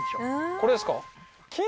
これですか？